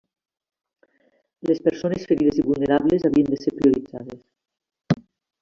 Les persones ferides i vulnerables havien de ser prioritzades.